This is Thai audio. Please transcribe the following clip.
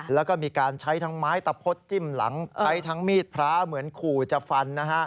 แล้วก็มีการใช้ทั้งไม้ตะพดจิ้มหลังใช้ทั้งมีดพระเหมือนขู่จะฟันนะฮะ